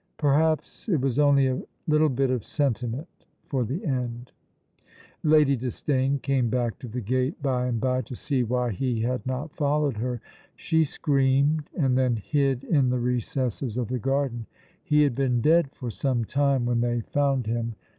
Perhaps it was only a little bit of sentiment for the end. Lady Disdain came back to the gate, by and by, to see why he had not followed her. She screamed and then hid in the recesses of the garden. He had been dead for some time when they found him.